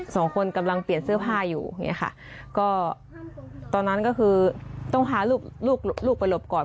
สองคนกำลังเปลี่ยนเสื้อผ้าอยู่ตอนนั้นก็คือต้องหาลูกไปหลบก่อน